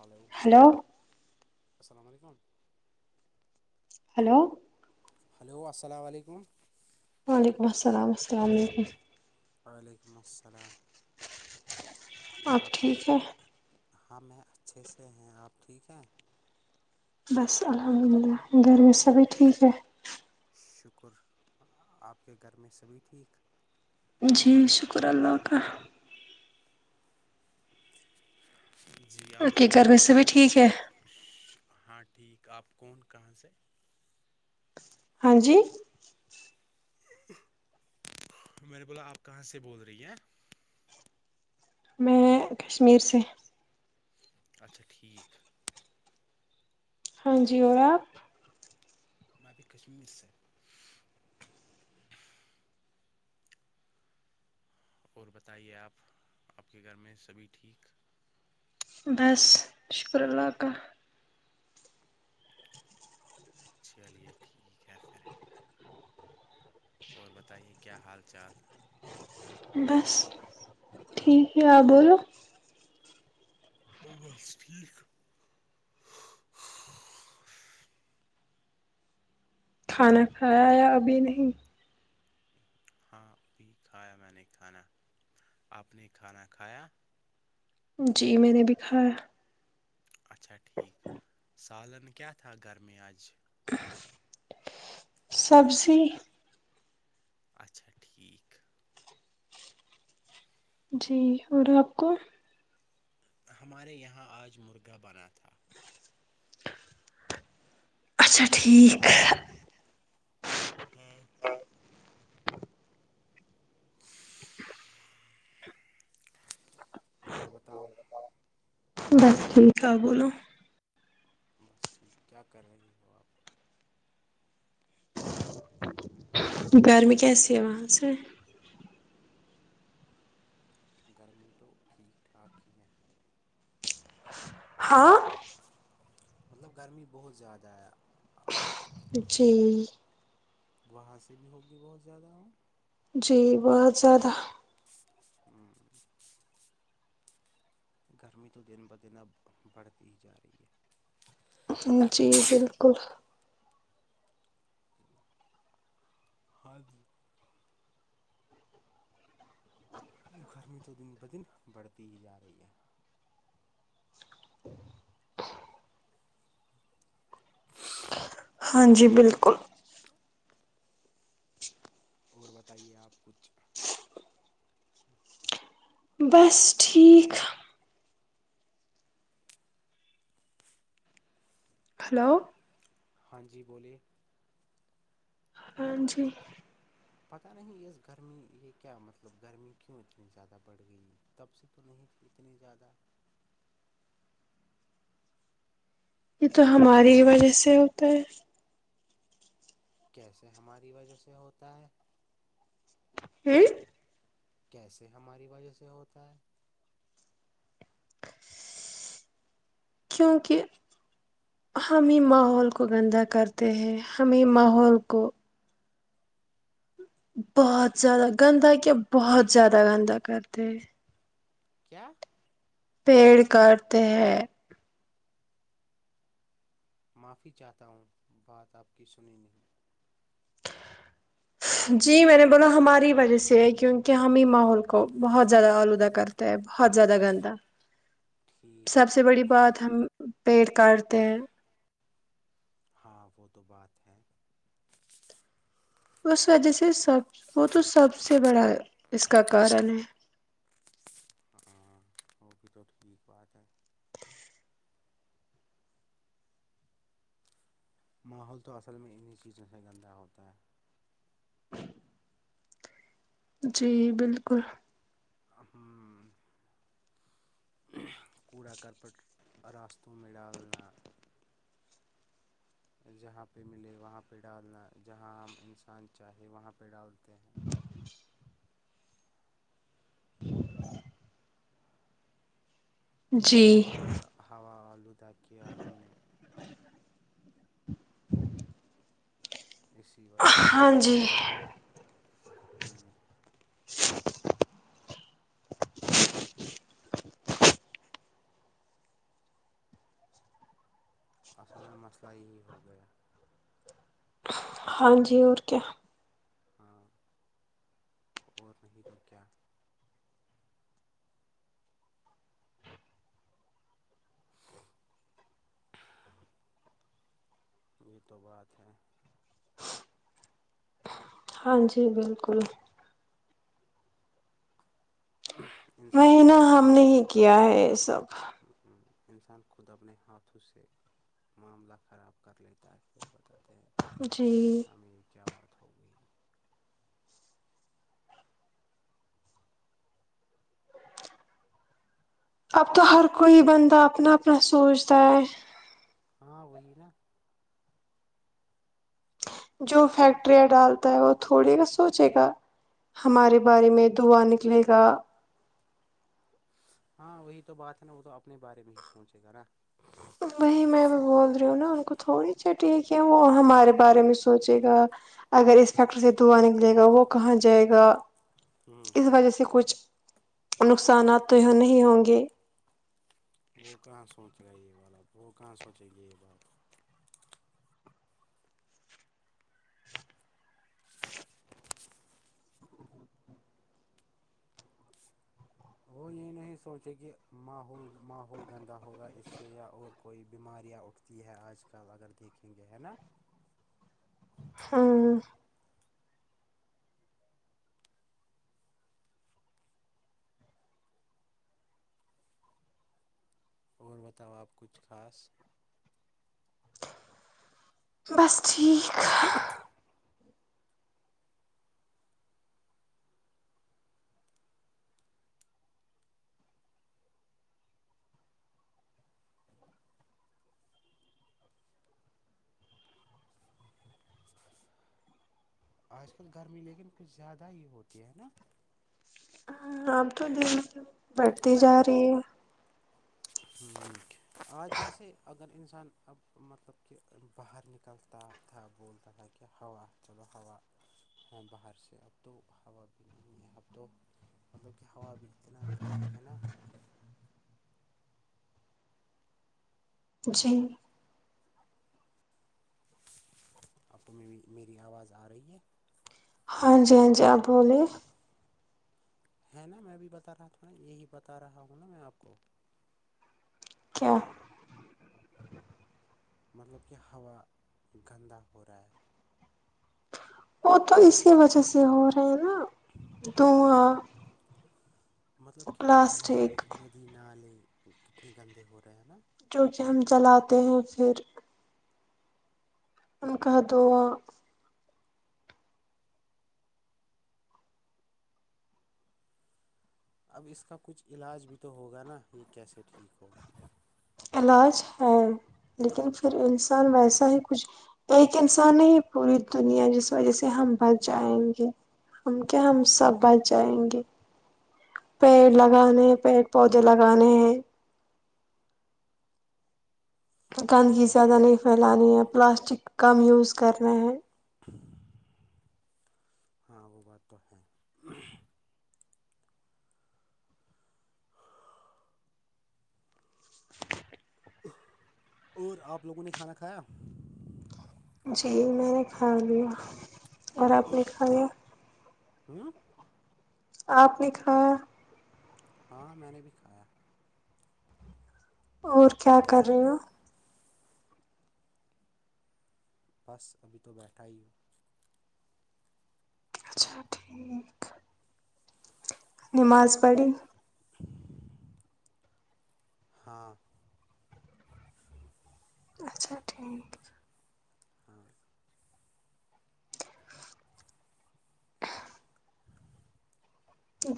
hello السلام علیکم hello hello السلام علیکم وعلیکم السلام السلام علیکم وعلیکم السلام آپ ٹھیک ہاں میں اچھے سے ہیں آپ ٹھیک ہیں بس الحمد للہ گھرمی سبھی ٹھیک ہے شکر آپ کے گھر میں سبھی ٹھیک جی شکر اللہ کا جی آپ کون کرنے سے بھی ٹھیک شهھہ ہاں ٹھیک آپ کون کہاں سے ہاں جی میں نے بولا آپ کہاں سے بول رہی ہیں میں کشمیر سے کیس اچھا ٹھیک ہاں جی اور آپ م بھیی کشمیر سے اور بتائیے آپ آپ کے گھر میں سبھی ٹھیک بس شکر اللہ کا چلیے ٹھیک ہے پھر اور بتائیے کیا حال چال بس ٹھیک ہے آپ بولو بلو بس ٹھیک ہے کھانا کھایا یا ابھی نہیں ہاں ابھی کھایا میں نے کھانا آپ نے کھانا کھایا جی میں نے بھی کھایا اچھا ٹھیک سالن کیا تھا گھر میں آج سبزی سب سی اچھا ٹھیک جی اور آپ کو ہمارے یہاں آج مرگا بنا تھا اچھا ٹھیک ہے ہاں اور بتاؤ بس ٹھیک ہے بولو بس ٹھیک کیا کر رہی ہو آپ گرمی میں کیسی آواز ہے گرمی تو ٹھیک ٹھاک ہی ہے ہاں ہاں مطلب گرمی بہت زیادہ آیا ہ جی وہاں سے بھی ہوگی بہت زیادہ ہوں جی بہت زیادہ ہوں گرمی تو دن بدن اب بڑھتی ہی جا رہی ہے جی جی بالکل ہاں جی گرمی تو دن با دن بڑھتی ہی جا رہی ہے ہ ہاں جی بالکل اور بتائیے آپ کچھ بس ٹھیک ہلو ہاں جی بولیے ہاں جی پتہ نہیں یہ گرمی یہ کہ کیا مطلب گرمی کیوں اتنی زیادہ بڑھ گئی تب سے تو نہیں تھی اتنی زیادہ یہ تو اصل میں ہماری ہی وجہ سے ہوتا ہے کیسے ہماری وجہ سے ہوتا ہے ہوں کیسے ہماری وجہ سے ہوتا ہے کیونکہ ہم ہی ماحول کو گندا کرتے ہیں ہم ہی ماحول کو بہت زیادہ گندہ کیا بہت زیادہ گندا کرتے ہیں کیا پیڑ کاٹتے ہیں معافی چاہتا ہوں بات آپ کی سنی نہیں جی میں نے بولا ہماری وجہ سے ہے کیونکہ ہم ہی ماحول کو بہت زیادہ آلودہ کرتے بہت زیادہ گندہ سب ٹھیک سے بڑی بات ہم پیڑ کاٹتے ہیں ہاں وہ تو بات ہے اس وجہ سے سب وہ تو سب سے بڑا اس کا کارن ہے ہاں وہ بھی تو ٹھیک بات ہے ماحول تو اصل میں انہیں چیزوں سے گندہ ہوتا ہے جی بالکل ہاں کوڑا کرپٹ راستوں میں ڈالنا جہاں پہ ملے وہاں پہ ڈالنا جہاں ہم انسان چاہے وہاں پہ ڈالتے ہیں جی ہوا بھی ہوا آلودہ کیا ہم نے اسی وجہ سے ہاں جی ہوں اصل میں مسئلہ یہی ہو گیا ہاں جی اور کیا ہاں اور نہیں تو کیا [inaudible] یہ تو بات ہے ہاں جی بالکل [inaudible] وا ہی ہے خود نا ہم اپنے نے ہی کیا ہے یہ سب انسان خود اپنے ہاتھوں سے معاملہ خراب کر لیتا ہے پھر بتاتے ہیں جی ہمیں کیا بات ہوگئی اب تو ہر کوئی بندہ اپنا اپنا سوچتا ہے ہاں وہی ناں جو فیکٹریاں ڈالتا ہے وہ تھوڑی نہ سوچے گا ہمارے بارے میں دھواں نکلے گا ہاں وہی تو بات ہے ناں وہ تو اپنے بارے میں ہی سوچے گا ناں وہی میں بھی بول رہی ہوں نا ان کو تھوڑی چٹی ہے کہ وہ ہمارے بارے میں سوچے گا اگر اس فیکٹری سے دھواں نکلے گا وہ کہاں جائے گا ہوں اس وجہ سے کچھ نقصانات تو یہاں نہیں ہوں گے وہ کہاں سوچ گا یہ والا وہ کہاں سوچیں گے یہ بات وہ یہ نہیں سوچے کہول ماحول گندا ہوگا اس سے یا اور کوئی بیماریاں اٹھ یہ ہے آج کل اگر دیکھیں گے ہے ناں ہاں اور بتاؤ آپ کچھ خاص بس ٹھیک آج کل گرمی لیکن کچھ زیادہ ہی ہوتی ہے ناں آپ تو دن سے بڑھتی جا رہی ہیں ہ آج جیسے اگر انسان اب مطلب کہ باہر نکلتا تھا بولتا تھا کہ ہوا چلو ہوا ہے باہر سے اب تو ہوا بھی نہیں ہے اب تو مطلب کہ ہوا بھی اتنا گرم ہے ناں جی آپ کو میری میری آواز آ رہی ہے ہاں جی ہاں جی آپ بولیے ہے نا میں بھی بتا رہا تھا ناں یہی بتا رہا ہوں ناں میں آپ کو کیا مطلب کہ ہوا گندا ہو رہا ہے وہ تو اسی وجہ سے ہو رہے ہیں نا دھواں مطلب کہ ندی پلاسٹک ندی نالے کتنے گندے ہو رہے ہیں ناں جو کہ ہم جلاتے ہیں پھر ان کا دھواں اب اس کا کچھ علاج بھی تو ہوگا ناں یہ کیسے ٹھیک ہوگا علاج ہے لیکن پھر انسان ویسا ہی کچھ بلکہ انسان نے ہی پوری دنیا جس وجہ سے ہم بچ جائیں گے ہم کیا ہم سب بچ جائیں گے پیڑ لگانے ہیں پیڑ پودے لگانے ہیں وہ گندگی بات زیادہ تو نہیں پھیلانی ہے پلاسٹک کم یوز کرنا ہے ہاں وہ بات تو ہے اور آپ لوگوں نے کھانا کھایا جی میں نے کھا لیا اور آپ نے کھایا ہاں آپ نے کھایا ہاں میں نے بھی کھایا اور کیا کر رہے ہو بس ابھی تو بیٹھا ہی ہوں اچھا ٹھیک نماز پڑھی ہاں اچھا ٹھیک ہاں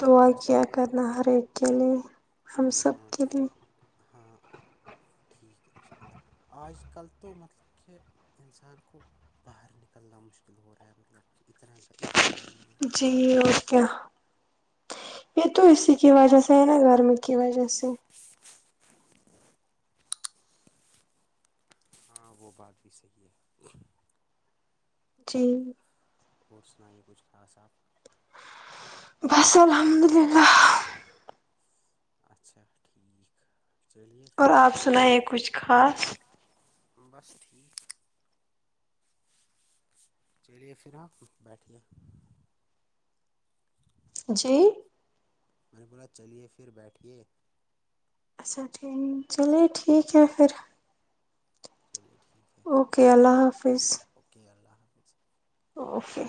دعا آج تو کیا کرنا ہر ایک کے لیے ہم سب ہاں کے لیے ہاں ٹھیک ہے انشاء اللہ آج کل تو مطلب کہ انسان کو باہر نکلنا مشکل ہو رہا ہے مطلب کہ اتنا کا اتنی گرمی ہے جی قسم سے اور کیا یہ تو اسی کی وجہ سے ہے نا گرمی تو کی وجہ سے ہاں وہ بات بھی صحیح ہے جی اور سنائیے کچھ خاص آپ بس الحمد للہ اچھا ٹھیک چلیے پھر اور آپ ٹھیک ہے سنائیں کچھ خاص بس ٹھیک چلیے پھر آپ بیٹھے جی میں نے بولا چلیے پھر بیٹھیے اچھا ٹھیک چلیے ٹھیک ہے پھر چلیے ٹھیک ہے اوکے اللہ حافظ اوکے اللہ حافظ اوکے